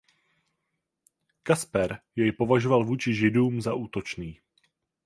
Kasper jej považoval vůči židům za útočný.